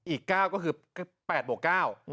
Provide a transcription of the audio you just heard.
อีก๙ก็คือ๘บวก๙